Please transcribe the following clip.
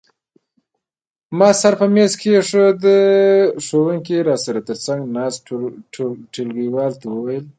ما سر په مېز کېښود، ښوونکي را سره تر څنګ ناست ټولګیوال ته وویل.